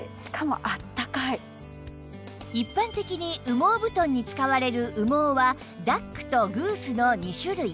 一般的に羽毛布団に使われる羽毛はダックとグースの２種類